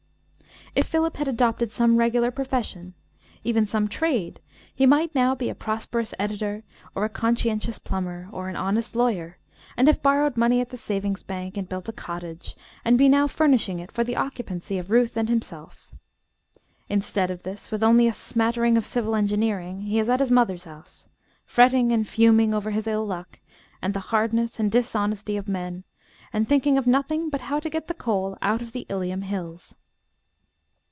If Philip had adopted some regular profession, even some trade, he might now be a prosperous editor or a conscientious plumber, or an honest lawyer, and have borrowed money at the saving's bank and built a cottage, and be now furnishing it for the occupancy of Ruth and himself. Instead of this, with only a smattering of civil engineering, he is at his mother's house, fretting and fuming over his ill luck, and the hardness and, dishonesty of men, and thinking of nothing but how to get the coal out of the Ilium hills.